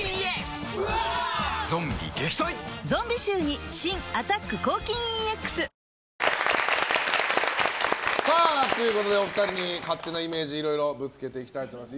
ゾンビ臭に新「アタック抗菌ＥＸ」お二人に勝手なイメージをいろいろぶつけていきたいと思います。